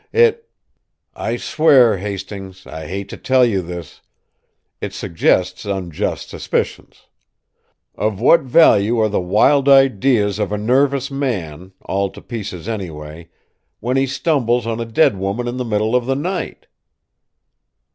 It "I swear, Hastings, I hate to tell you this. It suggests unjust suspicions. Of what value are the wild ideas of a nervous man, all to pieces anyway, when he stumbles on a dead woman in the middle of the night?"